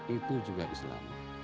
itu juga islam